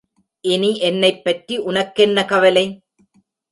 இனி என்னைப்பற்றி உனக்கென்ன கவலை?